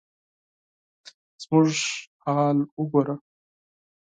زموږ حال وګوره ؟